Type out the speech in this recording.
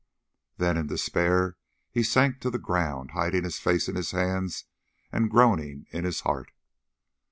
Then in despair he sank to the ground, hiding his face in his hands and groaning in his heart.